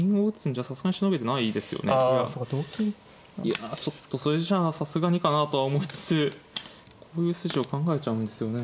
いやちょっとそれじゃあさすがにかなとは思いつつこういう筋を考えちゃうんですよね。